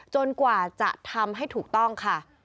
กว่าจะทำให้ถูกต้องค่ะ